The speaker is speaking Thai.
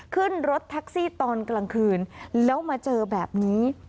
ขึ้นรถแท็กซี่ตอนกลางคืนแล้วมาเจอแบบนี้